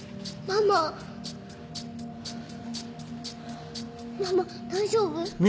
ママ大丈夫？